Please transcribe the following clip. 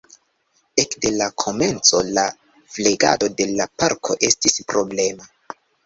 Ekde la komenco la flegado de la parko estis problema.